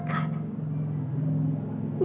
kan tadi udah makan